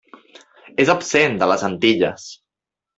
És absent de les Antilles.